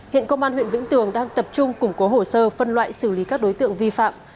hiện công an huyện vĩnh tường đang tập trung củng cố hồ sơ phân loại xử lý các đối tượng vi phạm